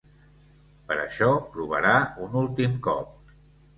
Per això, provarà un últim cop.